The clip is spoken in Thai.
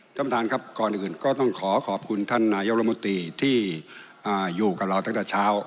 ท่านประธานครับก่อนอื่นก็ต้องขอขอบคุณท่านนายกรมนตรีที่อยู่กับเราตั้งแต่เช้า